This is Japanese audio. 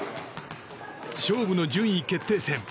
勝負の順位決定戦。